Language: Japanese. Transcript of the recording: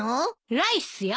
ライスよ。